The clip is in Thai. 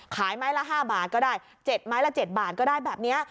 ขายไม้ละ๕บาทก็ได้๗ไม้ละ๗บาทก็ได้แบบนี้